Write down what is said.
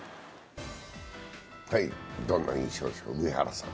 どんな印象でしょう、上原さん。